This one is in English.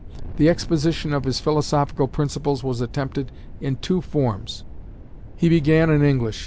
The exposition of his philosophical principles was attempted in two forms. He began in English.